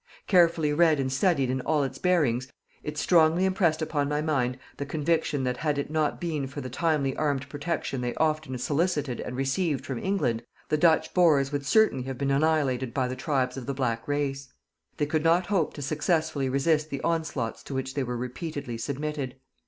Carefully read and studied in all its bearings, it strongly impressed upon my mind the conviction that had it not been for the timely armed protection they often solicited and received from England, the Dutch Boers would certainly have been annihilated by the tribes of the black race. They could not hope to successfully resist the onslaughts to which they were repeatedly submitted.